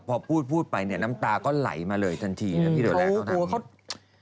พอพูดไปเนี่ยน้ำตาก็ไหลมาเลยทันทีนะพี่ดูแลเขาน่าไม่มี